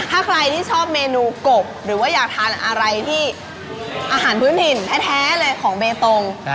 ถ้าใครที่ชอบเมนูกบหรือว่าอยากทานอะไรที่อาหารพื้นถิ่นแท้เลยของเบตง